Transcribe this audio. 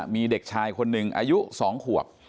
มีเด็กชายคนหนึ่งอายุ๒ขวบ